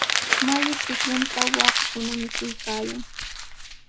Mayu kutruntraw waakakuna mikuykaayan.